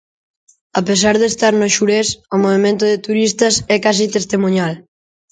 A pesar de estar no Xurés, o movemento de turistas é case testemuñal.